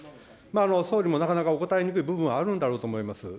総理もなかなかお答えにくい部分はあるんだろうと思います。